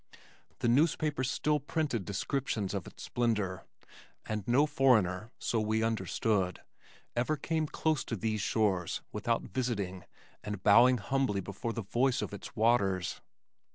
The newspapers still printed descriptions of its splendor and no foreigner (so we understood) ever came to these shores without visiting and bowing humbly before the voice of its waters.